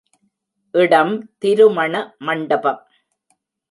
இடம் திருமண மண்டபம்.